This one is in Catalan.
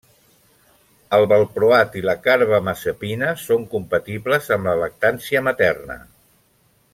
El valproat i la carbamazepina són compatibles amb la lactància materna.